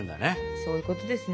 そういうことですね。